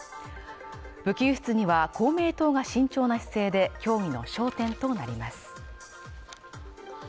武器輸出には公明党が慎重な姿勢で協議の焦点となります。